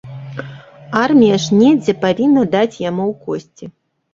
Армія ж недзе павінна даць яму ў косці.